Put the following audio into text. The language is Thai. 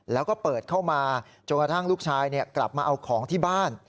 แล้วก็เปิดเข้ามาจนกระทั่งลูกชายกลับมาเอาของที่บ้าน